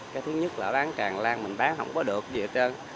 cái thứ nhất là bán tràn lan mình bán không có được gì hết trơn